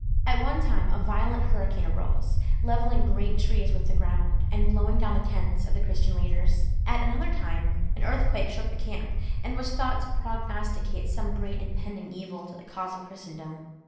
At one time a violent hurricane arose, levelling great trees with the ground, and blowing down the tents of the Christian leaders. At another time an earthquake shook the camp, and was thought to prognosticate some great impending evil to the cause of Christendom.